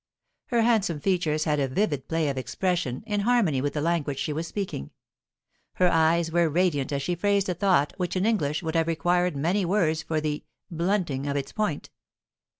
Her handsome features had a vivid play of expression in harmony with the language she was speaking; her eyes were radiant as she phrased a thought which in English would have required many words for the blunting of its point.